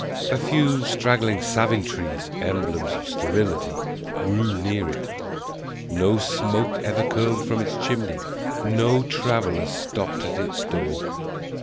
A few straggling savin trees, emblems of sterility, grew near it; no smoke ever curled from its chimney; no traveller stopped at its door.